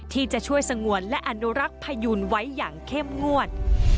ที่จะช่วยสงวนและอนุรักษ์พยูนไว้อย่างเข้มงวด